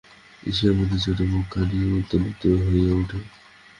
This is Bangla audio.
ঈর্ষায় মতির ছোট বুকখানি উদ্বেলিত হইয়া ওঠে।